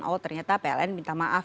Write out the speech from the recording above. oh ternyata pln minta maaf